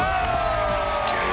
「すげえ」